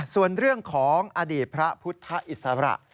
ส่วนเรื่องของอดีตพระพุทธอิสระ